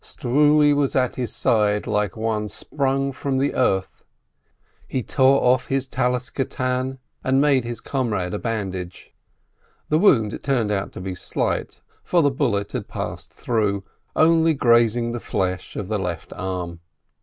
Struli was at his side like one sprung from the earth, he tore off his Four Corners, and made his comrade a bandage. The wound turned out to be slight, for the bullet had passed through, only grazing the flesh of the left arm.